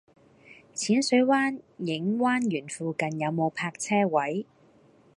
淺水灣影灣園附近有無泊車位？